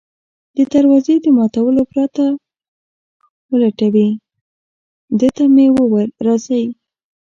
د دروازې د ماتولو پرته ولټوي، ده ته مې وویل: راځئ.